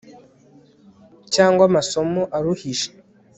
cyangwa amasomo aruhije